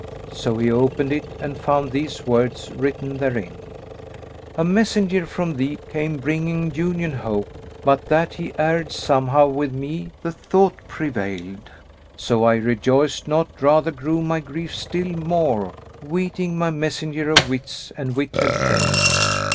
So he opened it and found these words written therein, "A messenger from thee came bringing union hope, * But that he erred somehow with me the thought prevailed; So I rejoiced not; rather grew my grief still more; * Weeting my messenger of wits and wit had failed.